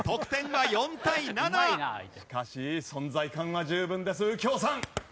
しかし存在感は十分です右京さん。